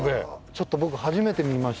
ちょっと僕初めて見ました。